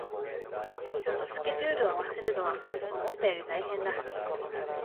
人とスケジュールを合わせるのは思ったより大変だ